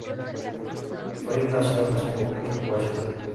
Fry nació en Spokane, Washington.